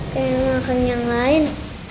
kayak makan yang lain